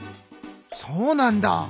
そうなんだ！